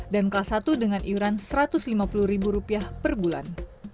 dan kelas satu dengan iuran rp satu ratus lima puluh per bulan